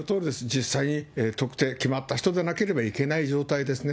実際に特定、決まった人でなければいけない状態ですね。